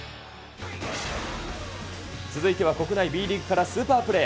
続いては国内Ｂリーグからスーパープレー。